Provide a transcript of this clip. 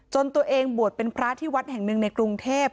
ตัวเองบวชเป็นพระที่วัดแห่งหนึ่งในกรุงเทพ